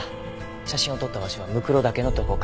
写真を撮った場所は骸岳のどこか。